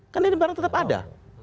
kan ini barang tetap ada